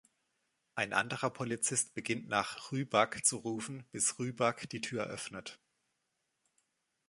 Ein anderer Polizist beginnt nach Rybak zu rufen bis Rybak die Tür öffnet.